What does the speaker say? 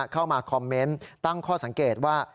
เข้ามาคอมเมนต์ตั้งข้อสังเกตว่า